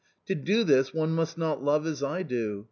To do this one must not love as I do.